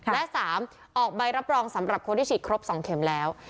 และ๓ออกใบรับรองสำหรับคนที่ฉีดครบ๒เข็มแล้ว